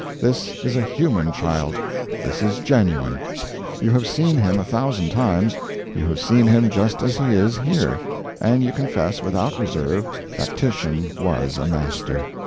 This is a human child, this is genuine. You have seen him a thousand times you have seen him just as he is here and you confess, without reserve, that Titian WAS a Master.